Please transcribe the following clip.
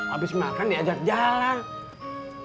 abis makan diajar jalan